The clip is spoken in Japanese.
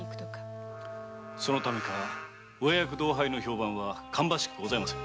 そのためか上役同輩の評判は芳しくございません。